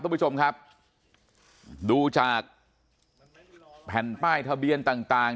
ท่านผู้ชมครับดูจากแผ่นป้ายทะเบียนต่าง